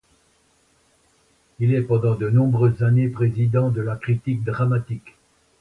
Il est pendant de nombreuses années président de la Critique dramatique.